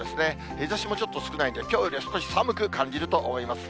日ざしもちょっと少ないんで、きょうよりさらに寒く感じると思います。